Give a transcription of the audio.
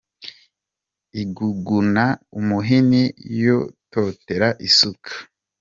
Iguguna umuhini yototera isuka.